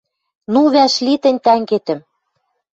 «Ну, вӓшли тӹнь тӓнгетӹм!»